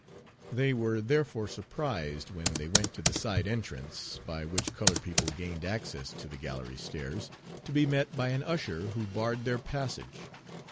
They were therefore surprised, when they went to the side entrance, by which colored people gained access to the gallery stairs, to be met by an usher who barred their passage.